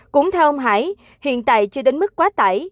cũng theo ông hải hiện tại chưa đến mức quá tải